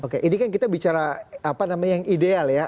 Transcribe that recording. oke ini kan kita bicara apa namanya yang ideal ya